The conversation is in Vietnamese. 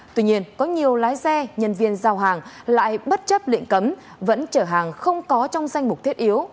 tuy nhiên có nhiều lái xe nhân viên giao hàng lại bất chấp lệnh cấm vẫn chở hàng không có trong danh mục thiết yếu